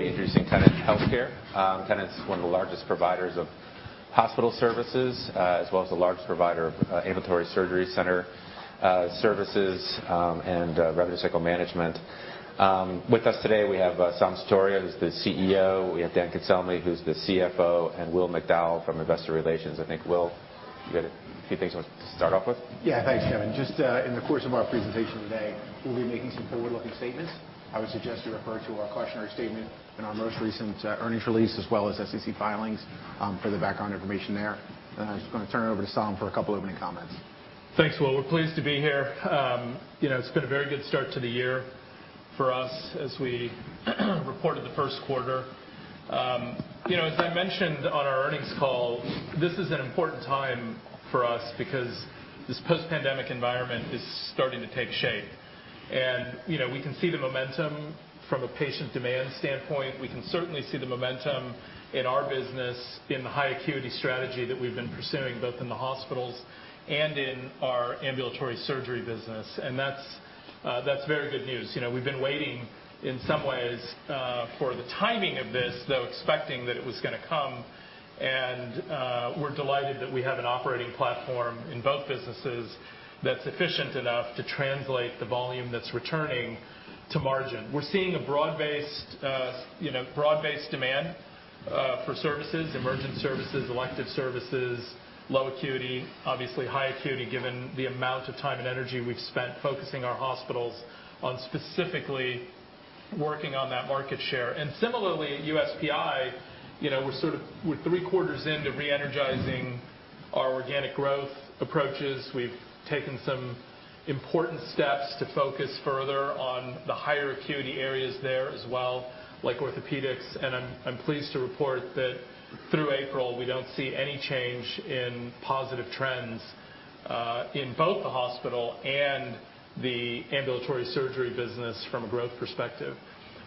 Introducing Tenet Healthcare. Tenet's one of the largest providers of hospital services, as well as the largest provider of ambulatory surgery center services, and revenue cycle management. With us today, we have Saum Sutaria, who's the CEO, we have Dan Cancelmi, who's the CFO, and Will McDowell from Investor Relations. I think, Will, you had a few things you wanted to start off with? Yeah. Thanks, Kevin. Just, in the course of our presentation today, we'll be making some forward-looking statements. I would suggest you refer to our cautionary statement in our most recent, earnings release, as well as SEC filings, for the background information there. Just gonna turn it over to Saum for 2 opening comments. Thanks, Will. We're pleased to be here. you know, it's been a very good start to the year for us as we reported the first quarter. you know, as I mentioned on our earnings call, this is an important time for us because this post-pandemic environment is starting to take shape. you know, we can see the momentum from a patient demand standpoint. We can certainly see the momentum in our business in the high acuity strategy that we've been pursuing, both in the hospitals and in our ambulatory surgery business, and that's very good news. You know, we've been waiting in some ways for the timing of this, though expecting that it was gonna come, and we're delighted that we have an operating platform in both businesses that's efficient enough to translate the volume that's returning to margin. We're seeing a broad-based, you know, broad-based demand for services, emergent services, elective services, low acuity, obviously high acuity, given the amount of time and energy we've spent focusing our hospitals on specifically working on that market share. Similarly, at USPI, you know, we're three quarters in to reenergizing our organic growth approaches. We've taken some important steps to focus further on the higher acuity areas there as well, like orthopedics, and I'm pleased to report that through April, we don't see any change in positive trends in both the hospital and the ambulatory surgery business from a growth perspective.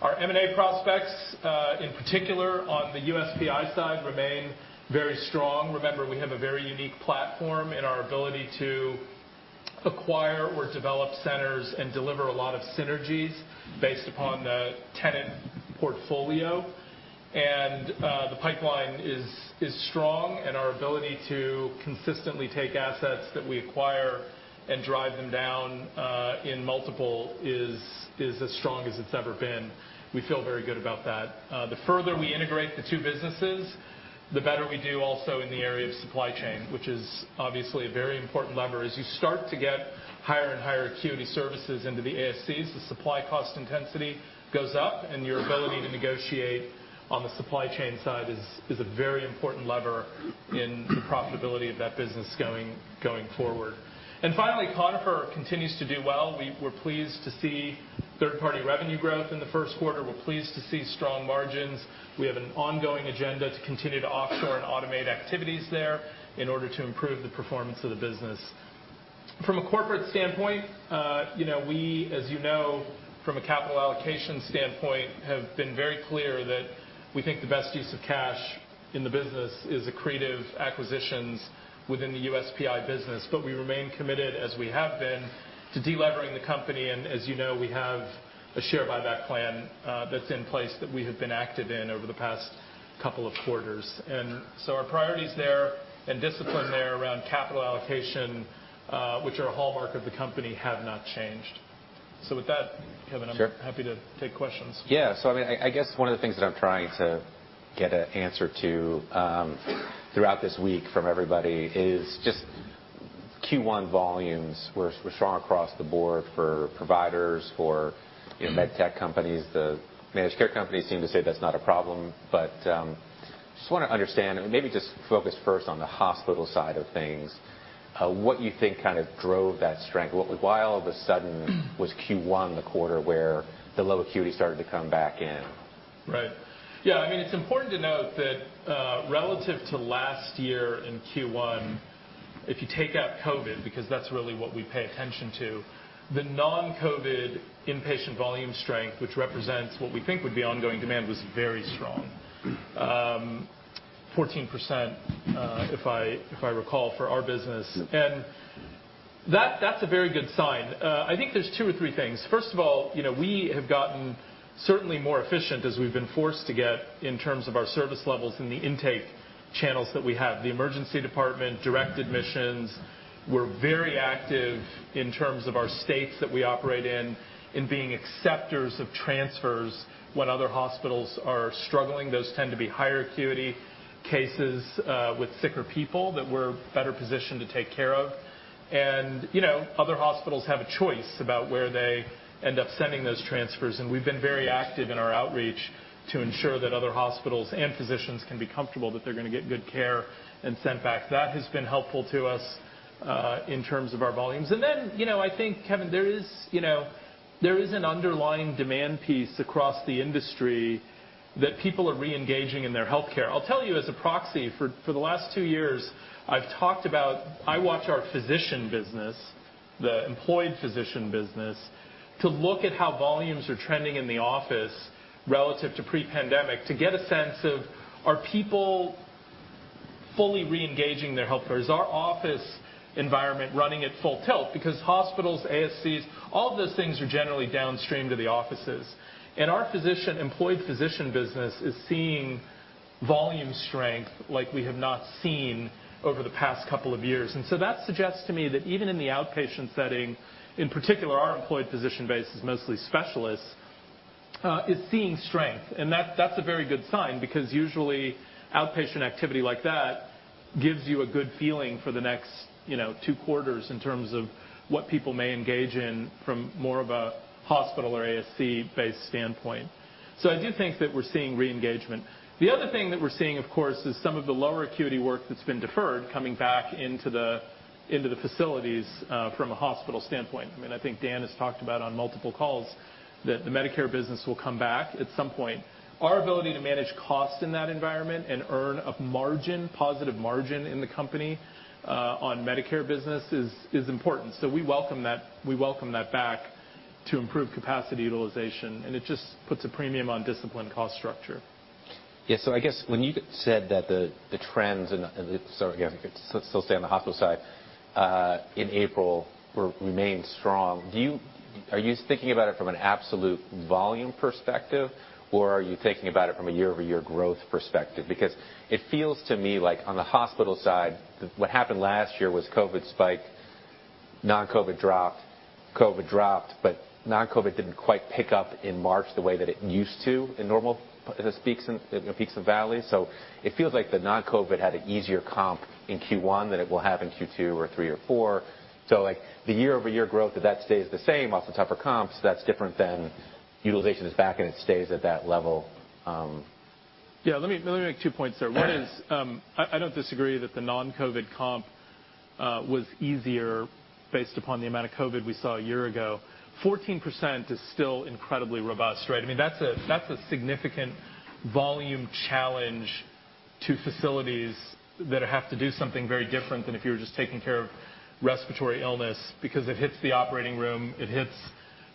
Our M&A prospects, in particular on the USPI side, remain very strong. Remember, we have a very unique platform in our ability to acquire or develop centers and deliver a lot of synergies based upon the Tenet portfolio. The pipeline is strong and our ability to consistently take assets that we acquire and drive them down in multiple is as strong as it's ever been. We feel very good about that. The further we integrate the two businesses, the better we do also in the area of supply chain, which is obviously a very important lever. As you start to get higher and higher acuity services into the ASCs, the supply cost intensity goes up and your ability to negotiate on the supply chain side is a very important lever in the profitability of that business going forward. Finally, Conifer continues to do well. We're pleased to see third-party revenue growth in the first quarter. We're pleased to see strong margins. We have an ongoing agenda to continue to offshore and automate activities there in order to improve the performance of the business. From a corporate standpoint, you know, we, as you know, from a capital allocation standpoint, have been very clear that we think the best use of cash in the business is accretive acquisitions within the USPI business, but we remain committed, as we have been, to delevering the company. As you know, we have a share buyback plan that's in place that we have been active in over the past couple of quarters. Our priorities there and discipline there around capital allocation, which are a hallmark of the company, have not changed. With that, Kevin. Sure. I'm happy to take questions. I mean, I guess one of the things that I'm trying to get an answer to, throughout this week from everybody is just Q1 volumes were strong across the board for providers, for, you know, med tech companies. The managed care companies seem to say that's not a problem. Just wanna understand, and maybe just focus first on the hospital side of things, what you think kind of drove that strength? Why all of a sudden was Q1 the quarter where the low acuity started to come back in? Right. Yeah, I mean, it's important to note that, relative to last year in Q1, if you take out COVID, because that's really what we pay attention to, the non-COVID inpatient volume strength, which represents what we think would be ongoing demand, was very strong. 14%, if I recall, for our business. Yep. That, that's a very good sign. I think there's two or three things. First of all, you know, we have gotten certainly more efficient as we've been forced to get in terms of our service levels in the intake channels that we have. The emergency department, direct admissions. We're very active in terms of our states that we operate in being acceptors of transfers when other hospitals are struggling. Those tend to be higher acuity cases with sicker people that we're better positioned to take care of. You know, other hospitals have a choice about where they end up sending those transfers, and we've been very active in our outreach to ensure that other hospitals and physicians can be comfortable that they're gonna get good care and sent back. That has been helpful to us in terms of our volumes. You know, I think, Kevin, there is, you know, there is an underlying demand piece across the industry that people are reengaging in their healthcare. I'll tell you as a proxy, for the last two years, I've talked about. I watch our physician business, the employed physician business, to look at how volumes are trending in the office relative to pre-pandemic, to get a sense of, are people fully reengaging their healthcare. Is our office environment running at full tilt? Hospitals, ASCs, all of those things are generally downstream to the offices. Our employed physician business is seeing volume strength like we have not seen over the past couple of years. That suggests to me that even in the outpatient setting, in particular, our employed physician base is mostly specialists, is seeing strength. That, that's a very good sign because usually outpatient activity like that gives you a good feeling for the next, you know, two quarters in terms of what people may engage in from more of a hospital or ASC-based standpoint. I do think that we're seeing reengagement. The other thing that we're seeing, of course, is some of the lower acuity work that's been deferred coming back into the, into the facilities from a hospital standpoint. I mean, I think Dan has talked about on multiple calls that the Medicare business will come back at some point. Our ability to manage cost in that environment and earn a margin, positive margin in the company, on Medicare business is important. We welcome that, we welcome that back to improve capacity utilization, and it just puts a premium on disciplined cost structure. Yeah. I guess when you said that the trends and again, let's still stay on the hospital side, in April remained strong. Are you thinking about it from an absolute volume perspective, or are you thinking about it from a year-over-year growth perspective? Because it feels to me like on the hospital side, what happened last year was COVID spike, non-COVID dropped, COVID dropped, but non-COVID didn't quite pick up in March the way that it used to in normal peaks and, you know, peaks and valleys. It feels like the non-COVID had an easier comp in Q1 than it will have in Q2 or Q3 or Q4. Like, the year-over-year growth, if that stays the same off the tougher comps, that's different than utilization is back, and it stays at that level. Yeah, let me make two points there. One is, I don't disagree that the non-COVID comp was easier based upon the amount of COVID we saw a year ago. 14% is still incredibly robust, right? I mean, that's a significant volume challenge to facilities that have to do something very different than if you were just taking care of respiratory illness because it hits the operating room, it hits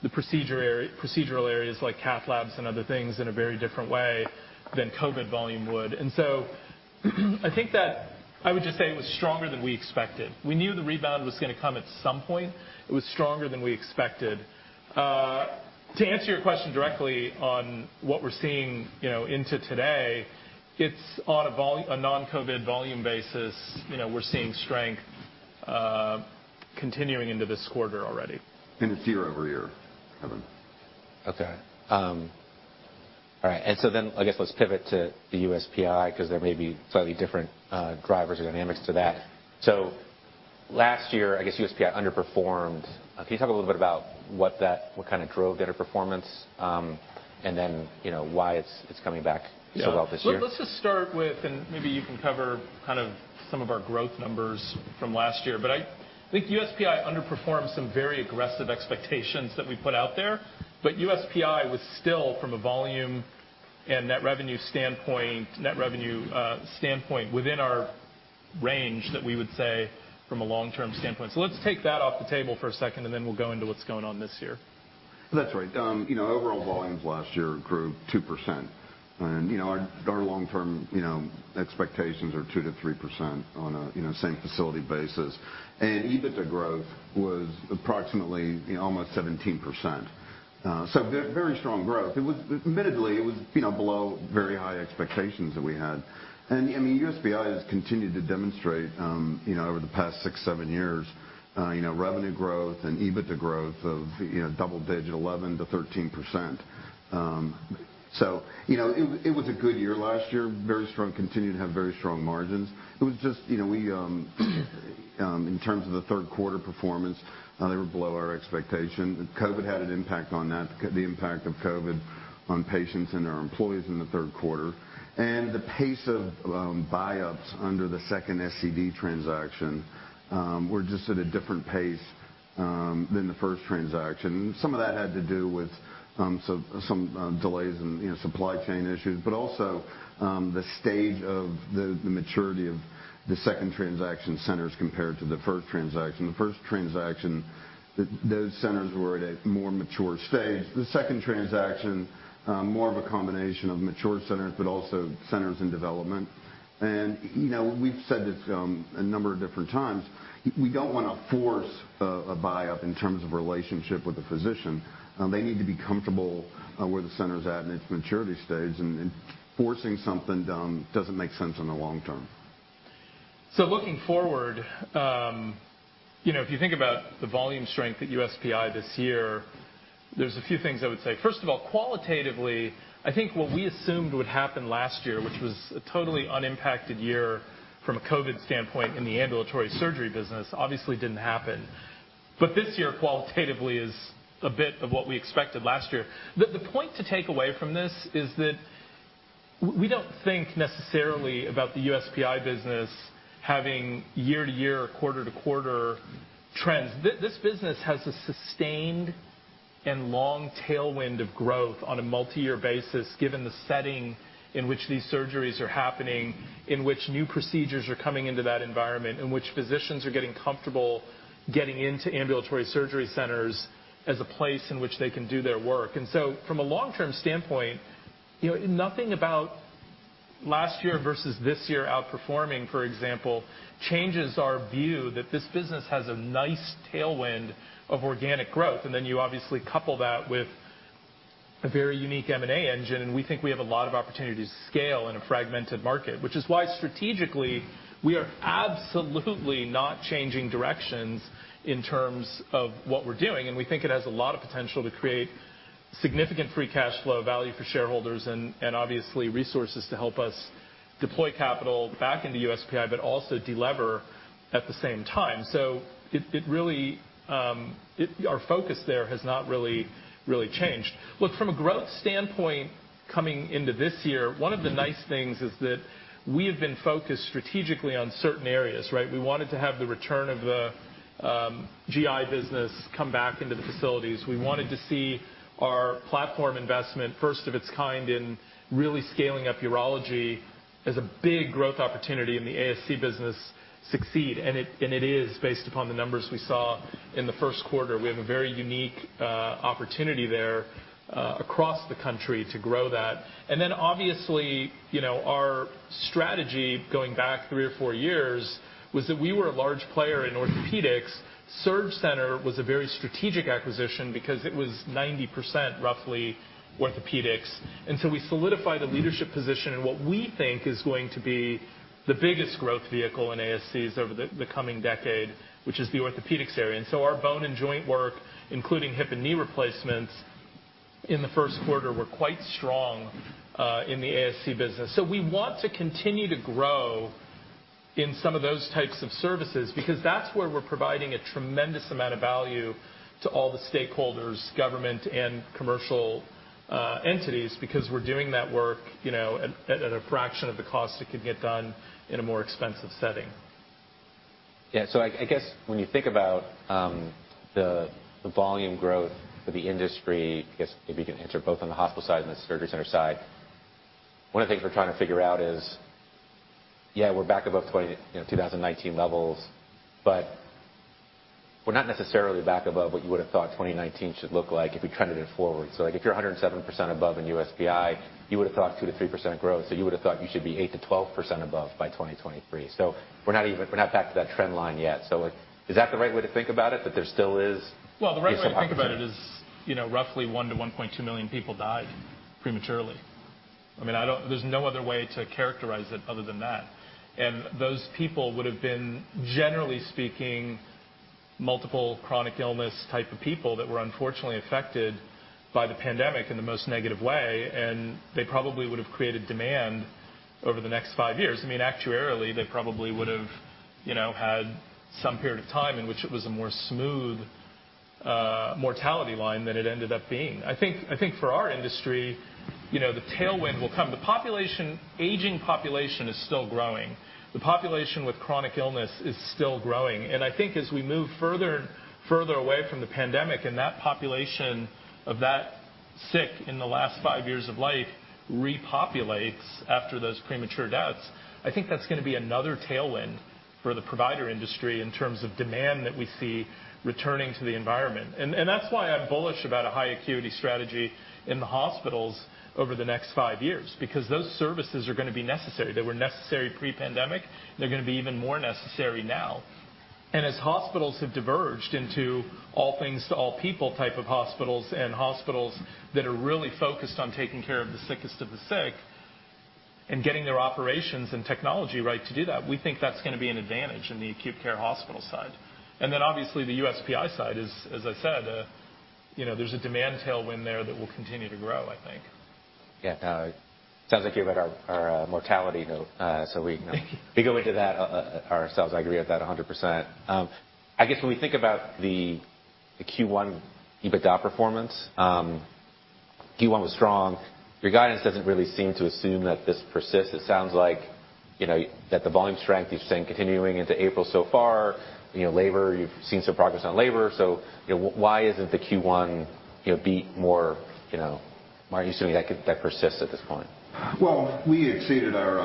the procedural areas like cath labs and other things in a very different way than COVID volume would. I think that I would just say it was stronger than we expected. We knew the rebound was gonna come at some point. It was stronger than we expected. To answer your question directly on what we're seeing, you know, into today, it's on a non-COVID volume basis, you know, we're seeing strength, continuing into this quarter already. It's year-over-year, Kevin. Okay. All right. I guess, let's pivot to the USPI because there may be slightly different drivers or dynamics to that. Last year, I guess, USPI underperformed. Can you talk a little bit about what kinda drove the underperformance, and then, you know, why it's coming back so well this year? Let's just start with... Maybe you can cover kind of some of our growth numbers from last year. I think USPI underperformed some very aggressive expectations that we put out there. USPI was still, from a volume and net revenue standpoint, net revenue standpoint, within our range that we would say from a long-term standpoint. Let's take that off the table for a second, and then we'll go into what's going on this year. That's right. You know, overall volumes last year grew 2%. Our, our long-term, you know, expectations are 2%-3% on a, you know, same facility basis. EBITDA growth was approximately almost 17%. Very strong growth. Admittedly, it was, you know, below very high expectations that we had. I mean, USPI has continued to demonstrate, you know, over the past six, seven years, revenue growth and EBITDA growth of, you know, double digit 11%-13%. You know, it was a good year last year. Very strong. Continued to have very strong margins. It was just, you know, we, in terms of the third quarter performance, they were below our expectation. COVID had an impact on that. The impact of COVID on patients and our employees in the third quarter. The pace of buy-ups under the second SCD transaction were just at a different pace than the first transaction. Some of that had to do with delays in, you know, supply chain issues, but also the stage of the maturity of the second transaction centers compared to the first transaction. The first transaction, those centers were at a more mature stage. The second transaction, more of a combination of mature centers but also centers in development. You know, we've said this a number of different times. We don't wanna force a buyup in terms of relationship with the physician. They need to be comfortable where the center's at in its maturity stage. Forcing something, doesn't make sense in the long term. Looking forward, you know, if you think about the volume strength at USPI this year, there's a few things I would say. First of all, qualitatively, I think what we assumed would happen last year, which was a totally unimpacted year from a COVID standpoint in the ambulatory surgery business, obviously didn't happen. This year, qualitatively, is a bit of what we expected last year. The, the point to take away from this is that we don't think necessarily about the USPI business having year-to-year or quarter-to-quarter trends. This business has a sustained and long tailwind of growth on a multi-year basis, given the setting in which these surgeries are happening, in which new procedures are coming into that environment, in which physicians are getting comfortable getting into ambulatory surgery centers as a place in which they can do their work. From a long-term standpoint, you know, nothing about last year versus this year outperforming, for example, changes our view that this business has a nice tailwind of organic growth. Then you obviously couple that with a very unique M&A engine, and we think we have a lot of opportunity to scale in a fragmented market, which is why strategically, we are absolutely not changing directions in terms of what we're doing, and we think it has a lot of potential to create significant free cash flow value for shareholders and obviously resources to help us deploy capital back into USPI, but also delever at the same time. It, it really, our focus there has not really changed. From a growth standpoint coming into this year, one of the nice things is that we have been focused strategically on certain areas, right? We wanted to have the return of the GI business come back into the facilities. We wanted to see our platform investment, first of its kind in really scaling up urology as a big growth opportunity in the ASC business succeed. It is based upon the numbers we saw in the first quarter. We have a very unique opportunity there across the country to grow that. Obviously, you know, our strategy going back three or four years was that we were a large player in orthopedics. SurgCenter was a very strategic acquisition because it was 90% roughly orthopedics. We solidified a leadership position in what we think is going to be the biggest growth vehicle in ASCs over the coming decade, which is the orthopedics area. Our bone and joint work, including hip and knee replacements in the first quarter, were quite strong in the ASC business. We want to continue to grow in some of those types of services because that's where we're providing a tremendous amount of value to all the stakeholders, government and commercial entities, because we're doing that work, you know, at a fraction of the cost it could get done in a more expensive setting. Yeah. I guess when you think about the volume growth for the industry, I guess maybe you can answer both on the hospital side and the surgery center side. One of the things we're trying to figure out is, yeah, we're back above 2019 levels, but we're not necessarily back above what you would have thought 2019 should look like if we trended it forward. Like, if you're 107% above in USPI, you would have thought 2%-3% growth. You would have thought you should be 8%-12% above by 2023. We're not even back to that trend line yet. Like, is that the right way to think about it, that there still is? Well, the right way to think about it is, you know, roughly 1 million-1.2 million people died prematurely. I mean, there's no other way to characterize it other than that. Those people would have been, generally speaking, multiple chronic illness type of people that were unfortunately affected by the pandemic in the most negative way, and they probably would have created demand over the next five years. I mean, actuarially, they probably would have, you know, had some period of time in which it was a more smooth mortality line than it ended up being. I think for our industry, you know, the tailwind will come. The aging population is still growing. The population with chronic illness is still growing. I think as we move further away from the pandemic and that population of that sick in the last five years of life repopulates after those premature deaths, I think that's gonna be another tailwind for the provider industry in terms of demand that we see returning to the environment. That's why I'm bullish about a high acuity strategy in the hospitals over the next five years, because those services are gonna be necessary. They were necessary pre-pandemic, they're gonna be even more necessary now. As hospitals have diverged into all things to all people type of hospitals and hospitals that are really focused on taking care of the sickest of the sick and getting their operations and technology right to do that, we think that's gonna be an advantage in the acute care hospital side. Obviously, the USPI side is, as I said, you know, there's a demand tailwind there that will continue to grow, I think. Yeah. No, it sounds like you read our, mortality note. we go into that our, ourselves. I agree with that 100%. I guess when we think about the Q1 EBITDA performance, Q1 was strong. Your guidance doesn't really seem to assume that this persists. It sounds like, you know, that the volume strength you've seen continuing into April so far, you know, labor, you've seen some progress on labor. Why isn't the Q1, you know, beat more, you know, why aren't you assuming that persists at this point? Well, we exceeded our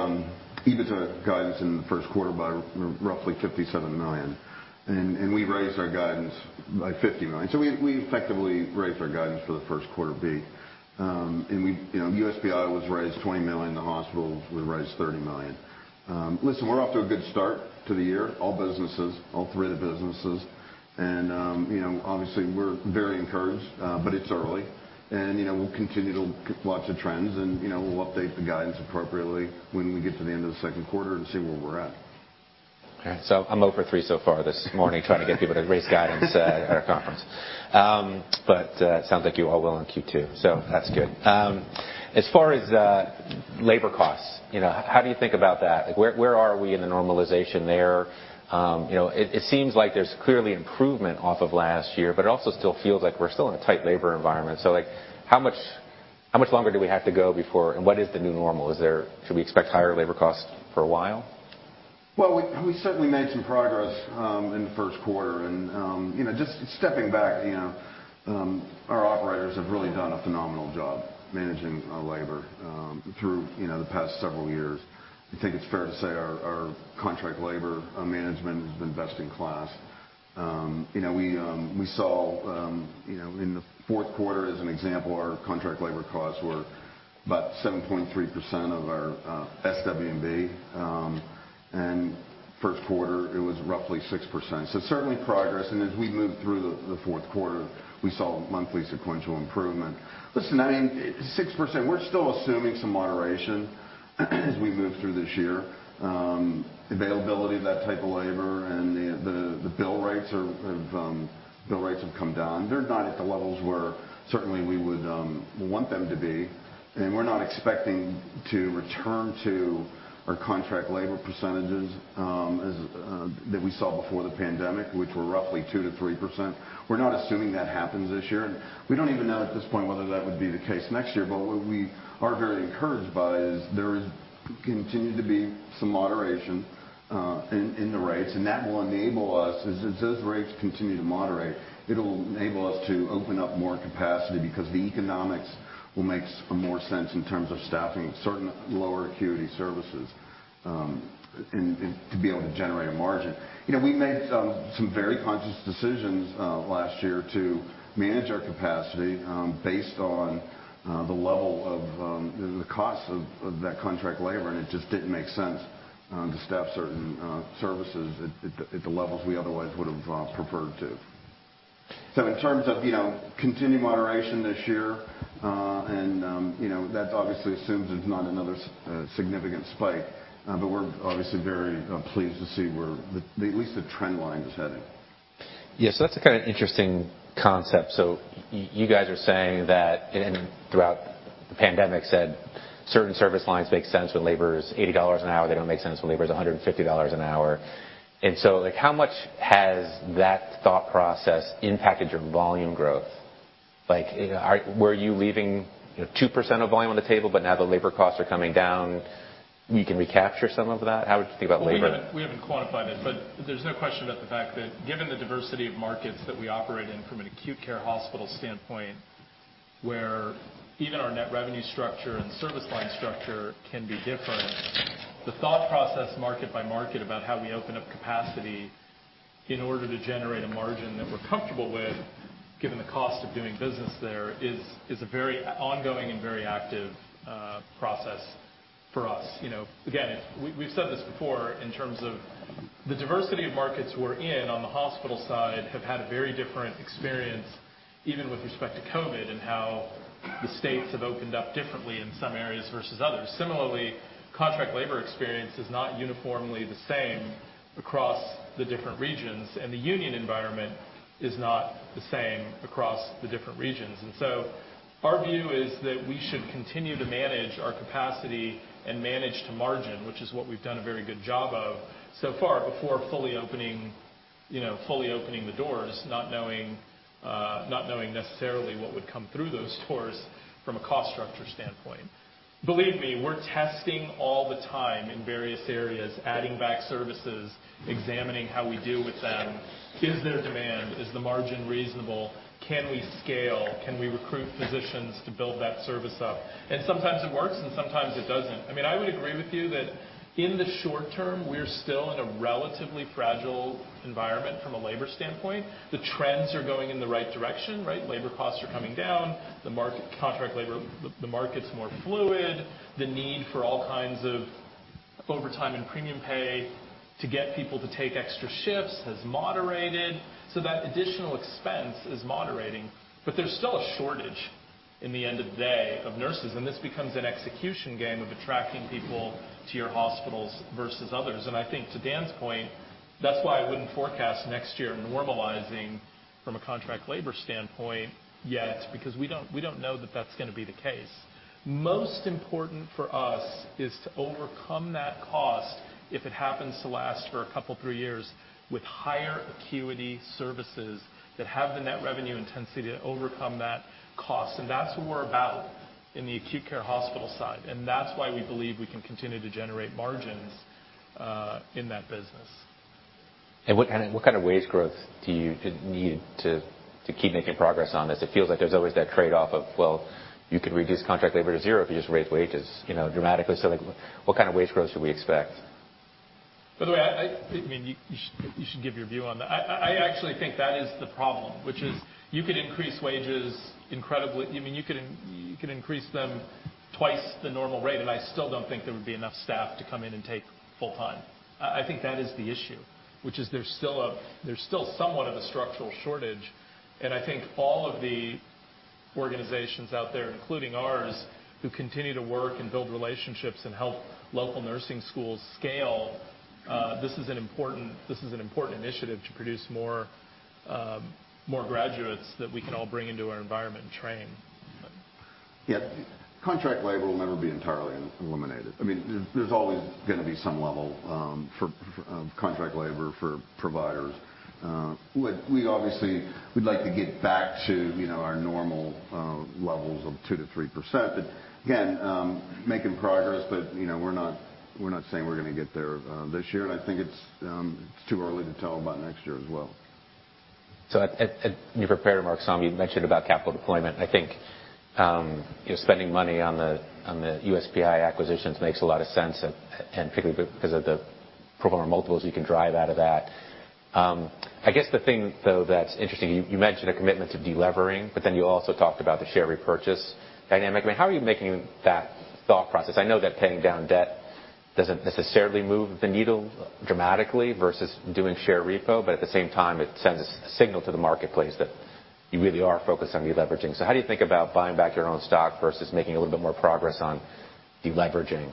EBITDA guidance in the first quarter by roughly $57 million. We raised our guidance by $50 million. We effectively raised our guidance for the first quarter B. We, you know, USPI was raised $20 million, the hospital we raised $30 million. Listen, we're off to a good start to the year, all businesses, all three of the businesses. You know, obviously we're very encouraged, but it's early. You know, we'll continue to watch the trends and, you know, we'll update the guidance appropriately when we get to the end of the second quarter and see where we're at. Okay. I'm 0 for 3 so far this morning, trying to get people to raise guidance at our conference. Sounds like you all will in Q2, so that's good. As far as labor costs, you know, how do you think about that? Like, where are we in the normalization there? You know, it seems like there's clearly improvement off of last year, but it also still feels like we're still in a tight labor environment. Like, how much, how much longer do we have to go before, and what is the new normal? Should we expect higher labor costs for a while? We, we certainly made some progress in the first quarter. You know, just stepping back, you know, our operators have really done a phenomenal job managing our labor through, you know, the past several years. I think it's fair to say our contract labor management has been best in class. You know, we saw, you know, in the fourth quarter as an example, our contract labor costs were about 7.3% of our SWB, and first quarter it was roughly 6%. Certainly progress. As we moved through the fourth quarter, we saw monthly sequential improvement. Listen, I mean, 6%, we're still assuming some moderation as we move through this year. Availability of that type of labor and the bill rates have come down. They're not at the levels where certainly we would want them to be, we're not expecting to return to our contract labor percentages as that we saw before the pandemic, which were roughly 2%-3%. We're not assuming that happens this year, and we don't even know at this point whether that would be the case next year. What we are very encouraged by is there is continued to be some moderation, in the rates, and that will enable us, as those rates continue to moderate, it'll enable us to open up more capacity because the economics will make more sense in terms of staffing certain lower acuity services, and to be able to generate a margin. You know, we made some very conscious decisions last year to manage our capacity, based on the level of the cost of that contract labor, and it just didn't make sense to staff certain services at the levels we otherwise would have preferred to. In terms of, you know, continued moderation this year, and, you know, that obviously assumes there's not another significant spike. We're obviously very pleased to see where the, at least the trend line is heading. Yeah. That's a kind of interesting concept. You guys are saying that, and throughout the pandemic said certain service lines make sense when labor is $80 an hour, they don't make sense when labor is $150 an hour. Like, how much has that thought process impacted your volume growth? Like, were you leaving, you know, 2% of volume on the table, but now the labor costs are coming down, you can recapture some of that? How would you think about labor then? We haven't quantified it, but there's no question about the fact that given the diversity of markets that we operate in from an acute care hospital standpoint, where even our net revenue structure and service line structure can be different, the thought process market by market about how we open up capacity in order to generate a margin that we're comfortable with, given the cost of doing business there, is a very ongoing and very active process for us. You know, again, we've said this before in terms of the diversity of markets we're in on the hospital side have had a very different experience, even with respect to COVID and how the states have opened up differently in some areas versus others. Similarly, contract labor experience is not uniformly the same across the different regions, and the union environment is not the same across the different regions. Our view is that we should continue to manage our capacity and manage to margin, which is what we've done a very good job of so far before fully opening, you know, fully opening the doors, not knowing, not knowing necessarily what would come through those doors from a cost structure standpoint. Believe me, we're testing all the time in various areas, adding back services, examining how we do with them. Is there demand? Is the margin reasonable? Can we scale? Can we recruit physicians to build that service up? Sometimes it works, and sometimes it doesn't. I mean, I would agree with you that in the short term, we're still in a relatively fragile environment from a labor standpoint. The trends are going in the right direction, right? Labor costs are coming down. The market, contract labor, the market's more fluid. The need for all kinds of overtime and premium pay to get people to take extra shifts has moderated, so that additional expense is moderating. There's still a shortage in the end of the day of nurses, and this becomes an execution game of attracting people to your hospitals versus others. I think to Dan's point, that's why I wouldn't forecast next year normalizing from a contract labor standpoint yet, because we don't know that that's gonna be the case. Most important for us is to overcome that cost, if it happens to last for a couple, three years, with high acuity services that have the net revenue intensity to overcome that cost. That's what we're about in the acute care hospital side, and that's why we believe we can continue to generate margins in that business. What kind of wage growth do you need to keep making progress on this? It feels like there's always that trade-off of, well, you could reduce contract labor to zero if you just raise wages, you know, dramatically. Like, what kind of wage growth should we expect? By the way, I mean, you should give your view on that. I actually think that is the problem, which is you could increase wages incredibly. I mean, you could increase them twice the normal rate, and I still don't think there would be enough staff to come in and take full-time. I think that is the issue, which is there's still somewhat of a structural shortage. I think all of the organizations out there, including ours, who continue to work and build relationships and help local nursing schools scale, this is an important initiative to produce more graduates that we can all bring into our environment and train. Yeah. Contract labor will never be entirely eliminated. I mean, there's always gonna be some level for contract labor for providers. We obviously would like to get back to, you know, our normal levels of 2%-3%. Again, making progress, but, you know, we're not saying we're gonna get there this year. I think it's too early to tell about next year as well. At your prepared remarks, Saum, you mentioned about capital deployment. I think, you know, spending money on the USPI acquisitions makes a lot of sense and particularly because of the pro forma multiples you can drive out of that. I guess the thing though that's interesting, you mentioned a commitment to deleveraging, but then you also talked about the share repurchase dynamic. I mean, how are you making that thought process? I know that paying down debt doesn't necessarily move the needle dramatically versus doing share repo, but at the same time, it sends a signal to the marketplace that you really are focused on deleveraging. How do you think about buying back your own stock versus making a little bit more progress on deleveraging?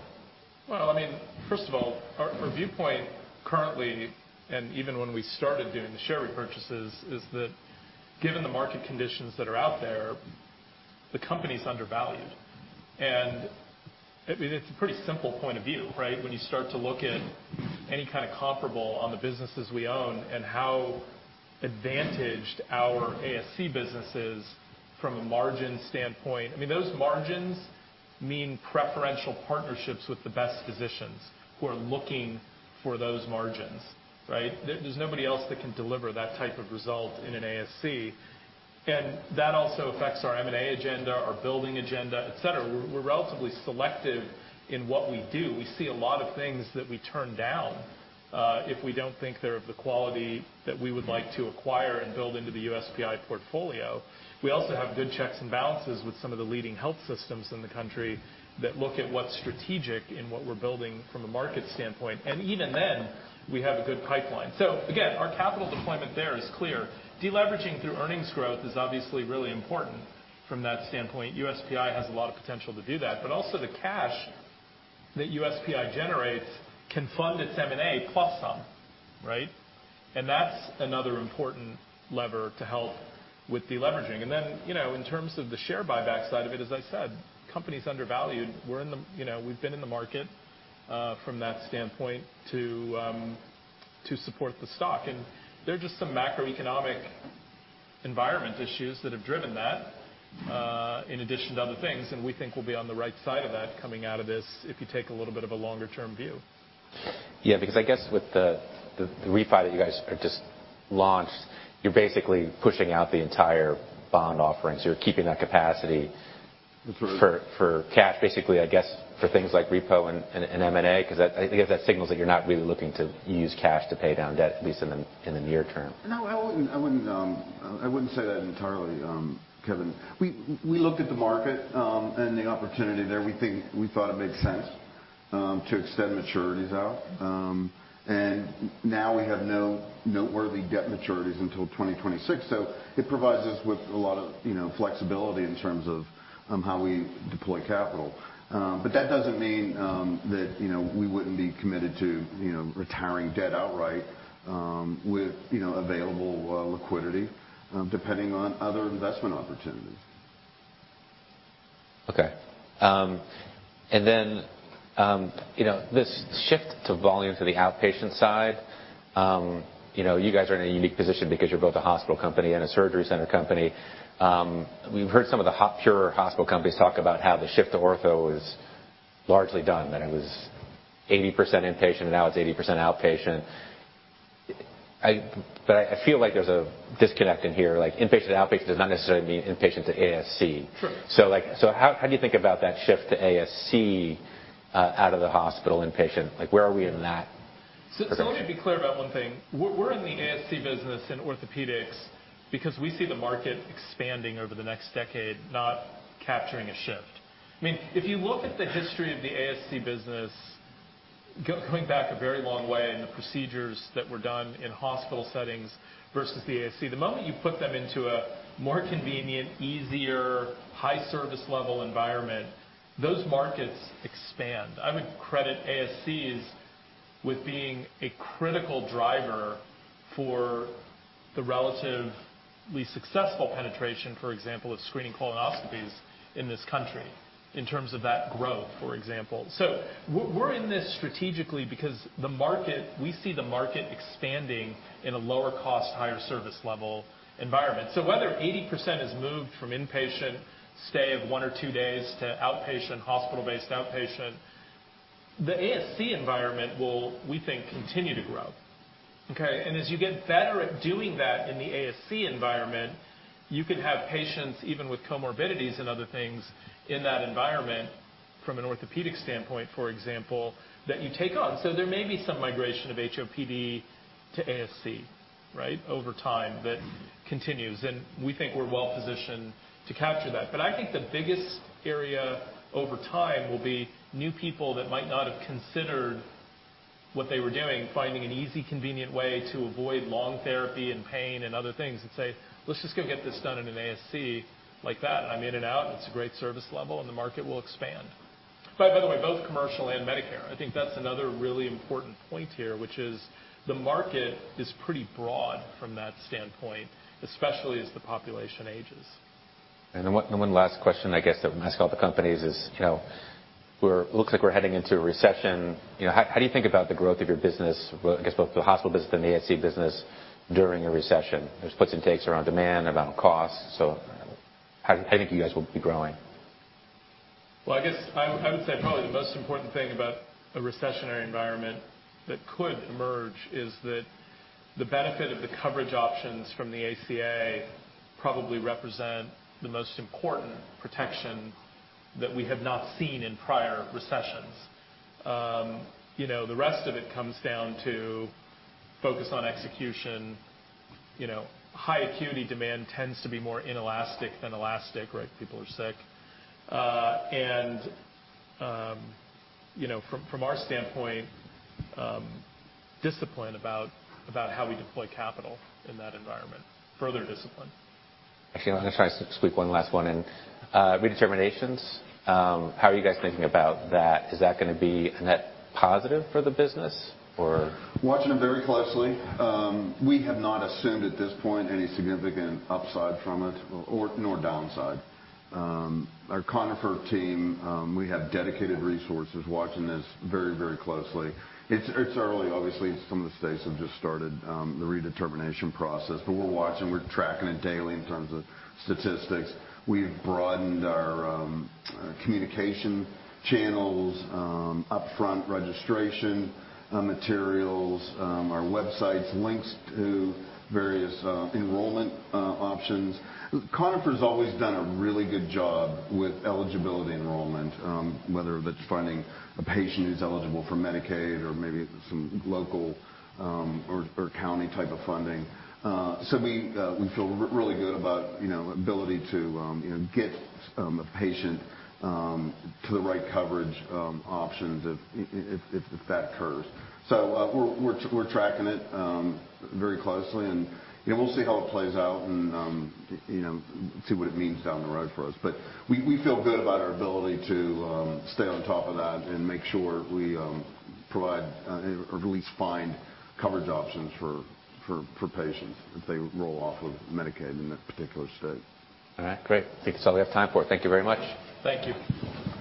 Well, I mean, first of all, our viewpoint currently, and even when we started doing the share repurchases, is that given the market conditions that are out there, the company's undervalued. I mean, it's a pretty simple point of view, right? When you start to look at any kind of comparable on the businesses we own and how advantaged our ASC business is from a margin standpoint, I mean, those margins mean preferential partnerships with the best physicians who are looking for those margins, right? There's nobody else that can deliver that type of result in an ASC, that also affects our M&A agenda, our building agenda, et cetera. We're relatively selective in what we do. We see a lot of things that we turn down, if we don't think they're of the quality that we would like to acquire and build into the USPI portfolio. We also have good checks and balances with some of the leading health systems in the country that look at what's strategic in what we're building from a market standpoint, and even then, we have a good pipeline. Again, our capital deployment there is clear. Deleveraging through earnings growth is obviously really important from that standpoint. USPI has a lot of potential to do that, also the cash that USPI generates can fund its M&A plus some, right? That's another important lever to help with deleveraging. You know, in terms of the share buyback side of it, as I said, company's undervalued. We're in the, you know, we've been in the market, from that standpoint to support the stock. There are just some macroeconomic environment issues that have driven that, in addition to other things. We think we'll be on the right side of that coming out of this if you take a little bit of a longer-term view. Yeah, I guess with the refi that you guys are just launched, you're basically pushing out the entire bond offerings. You're keeping that capacity- Mm-hmm. For cash, basically, I guess, for things like repo and M&A, 'cause that, I think that signals that you're not really looking to use cash to pay down debt, at least in the near term. No, I wouldn't say that entirely, Kevin. We looked at the market and the opportunity there. We thought it made sense to extend maturities out. Now we have no noteworthy debt maturities until 2026, so it provides us with a lot of, you know, flexibility in terms of how we deploy capital. That doesn't mean that, you know, we wouldn't be committed to, you know, retiring debt outright with, you know, available liquidity depending on other investment opportunities. Okay. You know, this shift to volume to the outpatient side, you know, you guys are in a unique position because you're both a hospital company and a surgery center company. We've heard some of the pure hospital companies talk about how the shift to ortho is largely done, that it was 80% inpatient, now it's 80% outpatient. I feel like there's a disconnect in here, like inpatient to outpatient does not necessarily mean inpatient to ASC. Sure. Like, so how do you think about that shift to ASC out of the hospital inpatient? Like, where are we in that progression? Let me be clear about one thing. We're in the ASC business in orthopedics because we see the market expanding over the next decade, not capturing a shift. I mean, if you look at the history of the ASC business, going back a very long way, and the procedures that were done in hospital settings versus the ASC, the moment you put them into a more convenient, easier, high service level environment, those markets expand. I would credit ASCs with being a critical driver for the relatively successful penetration, for example, of screening colonoscopies in this country in terms of that growth, for example. We're in this strategically because the market, we see the market expanding in a lower cost, higher service level environment. Whether 80% is moved from inpatient stay of one or two days to outpatient, hospital-based outpatient, the ASC environment will, we think, continue to grow, okay? As you get better at doing that in the ASC environment, you can have patients even with comorbidities and other things in that environment from an orthopedic standpoint, for example, that you take on. There may be some migration of HOPD to ASC, right? Over time that continues, and we think we're well-positioned to capture that. I think the biggest area over time will be new people that might not have considered what they were doing, finding an easy, convenient way to avoid long therapy and pain and other things, and say, "Let's just go get this done in an ASC." Like that, I'm in and out, and it's a great service level, and the market will expand. Both commercial and Medicare, I think that's another really important point here, which is the market is pretty broad from that standpoint, especially as the population ages. The one last question I guess that I'm gonna ask all the companies is, you know, looks like we're heading into a recession. You know, how do you think about the growth of your business, I guess, both the hospital business and the ASC business during a recession? There's puts and takes around demand, around costs, how do you think you guys will be growing? Well, I guess I would say probably the most important thing about a recessionary environment that could emerge is that the benefit of the coverage options from the ACA probably represent the most important protection that we have not seen in prior recessions. You know, the rest of it comes down to focus on execution. You know, high acuity demand tends to be more inelastic than elastic, right? People are sick. You know, from our standpoint, discipline about how we deploy capital in that environment. Further discipline. Actually, I'm gonna try to squeak one last one in. Redeterminations, how are you guys thinking about that? Is that gonna be a net positive for the business or? Watching it very closely. We have not assumed at this point any significant upside from it or nor downside. Our Conifer team, we have dedicated resources watching this very, very closely. It's early, obviously. Some of the states have just started the redetermination process. We're watching. We're tracking it daily in terms of statistics. We've broadened our communication channels, upfront registration, materials, our websites links to various enrollment options. Conifer's always done a really good job with eligibility enrollment, whether that's finding a patient who's eligible for Medicaid or maybe some local, or county type of funding. So we feel really good about, you know, ability to, you know, get a patient to the right coverage options if that occurs. We're tracking it very closely and, you know, we'll see how it plays out and, you know, see what it means down the road for us. We feel good about our ability to stay on top of that and make sure we provide or at least find coverage options for patients if they roll off of Medicaid in that particular state. All right. Great. I think that's all we have time for. Thank you very much. Thank you.